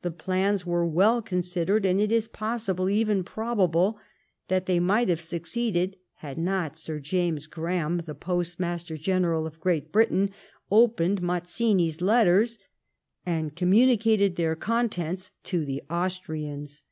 The plans were well considered, and it is possible, even probable, that they nrlght have succeeded, had not Sir James Graham, the Postmaster General of Great Britain, opened ^Nlazzini's letters and communicated their contents to the Austrians.